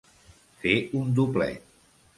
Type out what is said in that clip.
Fer un doblet.